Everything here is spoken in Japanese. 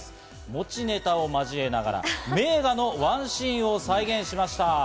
持ちネタを交えながら、名画のワンシーンを再現しました。